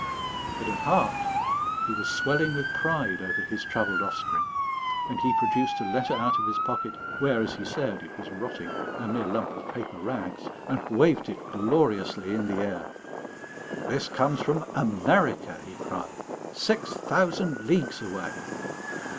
But at heart he was swelling with pride over his travelled offspring, and he produced a letter out of his pocket, where, as he said, it was rotting, a mere lump of paper rags, and waved it gloriously in the air. "This comes from America," he cried, "six thousand leagues away!"